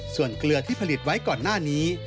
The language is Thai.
ส่วนเกลือที่ผลิตไว้ก่อนหน้านี้